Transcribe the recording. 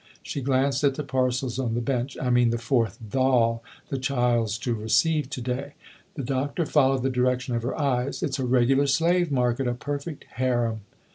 She glanced at the parcels on the bench. " I mean the fourth doll the child's to receive to day." The Doctor followed the direction of her eyes. " It's a regular slave market a perfect harem